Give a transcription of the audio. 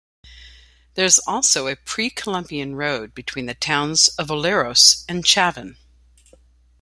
There's also a pre-Columbian road between the towns of Olleros and Chavin.